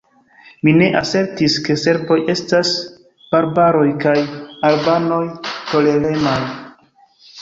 Mi ne asertis, ke serboj estas barbaroj kaj albanoj toleremaj.